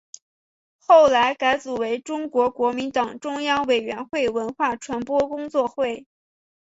后来改组为中国国民党中央委员会文化传播工作会。